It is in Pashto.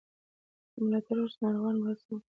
که ملاتړ وشي، ناروغان به هڅه وکړي.